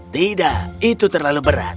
tidak itu terlalu berat